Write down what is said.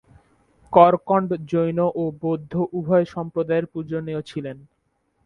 করকন্ড জৈন ও বৌদ্ধ উভয় সম্প্রদায়ের পূজনীয় ছিলেন।